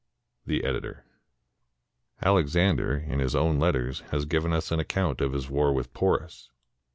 The Editor.] Alexander in his own letters has given us an account of his war with Porus.